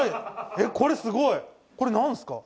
えっこれすごい！これなんすか？